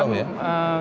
menurut jauh ya